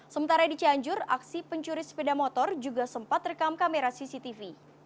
sementara di cianjur aksi pencuri sepeda motor juga sempat rekam kamera cctv